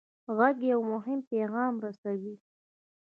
غږ یو مهم پیغام رسوي.